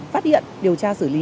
phát hiện điều tra xử lý